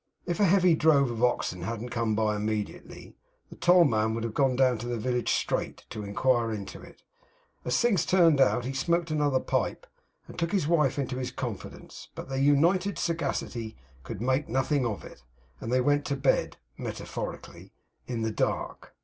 If a heavy drove of oxen hadn't come by immediately, the tollman would have gone down to the village straight, to inquire into it. As things turned out, he smoked another pipe, and took his wife into his confidence. But their united sagacity could make nothing of it, and they went to bed metaphorically in the dark.